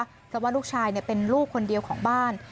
เพราะว่าลูกชายเป็นลูกคนเดียวของบ้าน